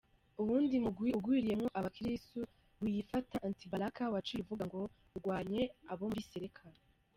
Uwundi mugwi ugwiriyemwo abakirisu wiyita "anti-balaka" waciye uvuka ngo ugwanye abo muri Séléka.